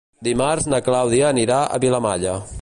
Dimarts na Clàudia anirà a Vilamalla.